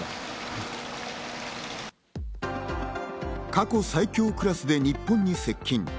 過去最強クラスで日本に接近。